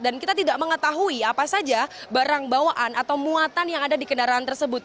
kita tidak mengetahui apa saja barang bawaan atau muatan yang ada di kendaraan tersebut